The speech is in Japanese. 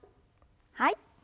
はい。